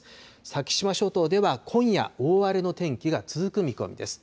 先島諸島では今夜、大荒れの天気が続く見込みです。